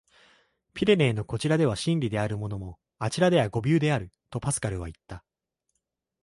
「ピレネーのこちらでは真理であるものも、あちらでは誤謬である」、とパスカルはいった。